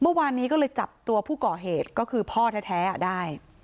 เมื่อวานนี้ก็เลยจับตัวผู้ก่อเหตุก็คือพ่อแท้ได้